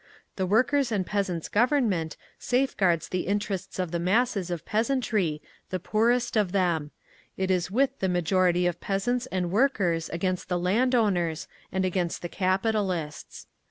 The Workers' and Peasants' Government safeguards the interests of the masses of peasantry, the poorest of them; it is with the majority of peasants and workers against the landowners, and against the capitalists.